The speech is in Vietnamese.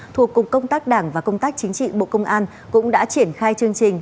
thuộc cục công tác đảng và công tác chính trị bộ công an cũng đã triển khai chương trình